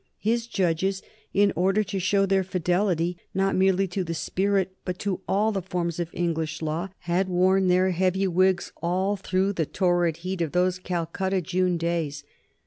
His judges, in order to show their fidelity not merely to the spirit but to all the forms of English law, had worn their heavy wigs all through the torrid heat of those Calcutta June days.